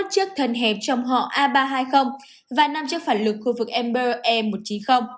hai mươi một chiếc thân hẹp trong họ a ba trăm hai mươi và năm chiếc phản lực khu vực embraer e một trăm chín mươi